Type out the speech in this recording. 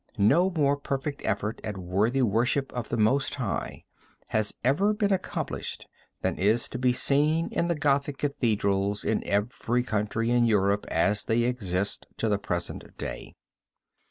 No more perfect effort at worthy worship of the Most High has ever been accomplished than is to be seen in the Gothic cathedrals in every country in Europe as they exist to the present day.